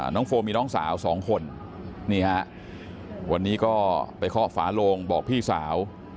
โฟมีน้องสาวสองคนนี่ฮะวันนี้ก็ไปเคาะฝาโลงบอกพี่สาว